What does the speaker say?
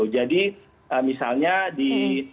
jadi misalnya di